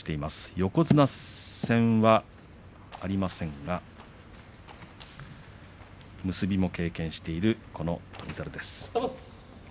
横綱戦はありませんが結びも経験している翔猿です。